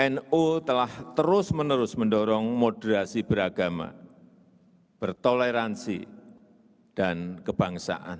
nu telah terus menerus mendorong moderasi beragama bertoleransi dan kebangsaan